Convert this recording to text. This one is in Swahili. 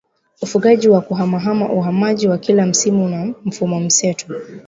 ufugaji wa kuhamahama uhamaji wa kila msimu na mifumomseto